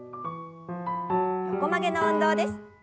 横曲げの運動です。